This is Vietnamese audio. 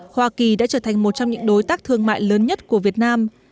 hoa kỳ đã trở thành một trong những đối tác thương mại lớn nhất của việt nam